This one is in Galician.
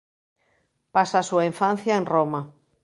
Pasa a súa infancia en Roma.